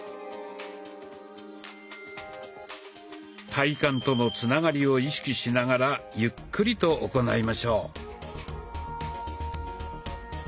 体幹とのつながりを意識しながらゆっくりと行いましょう。